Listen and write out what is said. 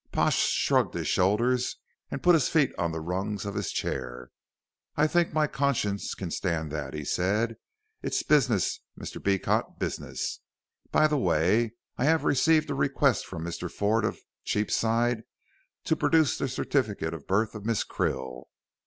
Pash shrugged his shoulders and put his feet on the rungs of his chair. "I think my conscience can stand that," he said; "it's business, Mr. Beecot, business. By the way, I have received a request from Mr. Ford of Cheapside to produce the certificate of birth of Miss Krill.